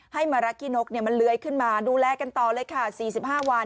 ให้มะรักขี้นกเนี่ยมันเลือยขึ้นมาดูแลกันต่อเลยค่ะสี่สิบห้าวัน